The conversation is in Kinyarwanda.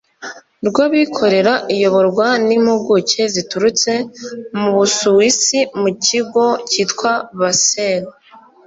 rw abikorera iyoborwa n impuguke ziturutse mu busuwisi mu kigo cyitwa basel